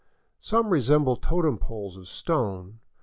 Some resemble totem poles of stone.